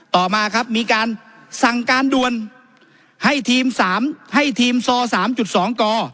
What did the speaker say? ต่อมาครับมีการสั่งการด่วนให้ทีม๓ให้ทีมซอ๓๒ก